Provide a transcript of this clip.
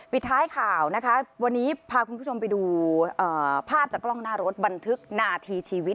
วันนี้พาคุณผู้ชมไปดูภาพจากกล้องหน้ารถบันทึกหน้าทีชีวิต